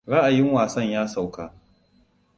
Ra'ayin wasan ya sauka.